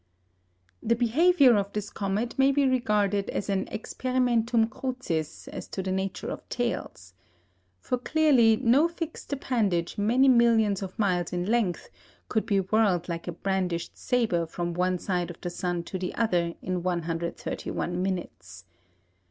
The behaviour of this comet may be regarded as an experimentum crucis as to the nature of tails. For clearly no fixed appendage many millions of miles in length could be whirled like a brandished sabre from one side of the sun to the other in 131 minutes.